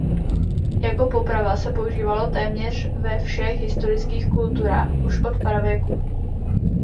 Jako poprava se používalo téměř ve všech historických kulturách už od pravěku.